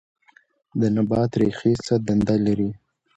د نبات ریښې څه دنده لري